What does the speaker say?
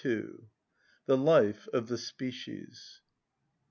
The Life Of The Species.